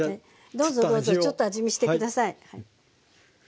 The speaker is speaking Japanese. どうぞどうぞちょっと味見して下さい。